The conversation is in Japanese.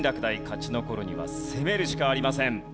勝ち残るには攻めるしかありません。